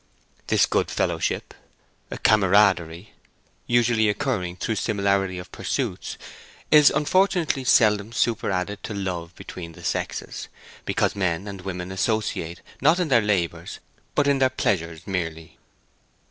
This good fellowship—camaraderie—usually occurring through similarity of pursuits, is unfortunately seldom superadded to love between the sexes, because men and women associate, not in their labours, but in their pleasures merely.